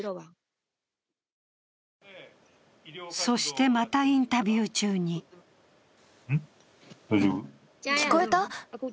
そしてまたインタビュー中にん？